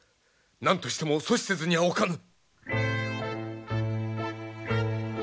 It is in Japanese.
何としても阻止せずにはおかぬ！